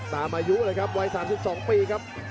ตามอายุเลยครับวัย๓๒ปีครับ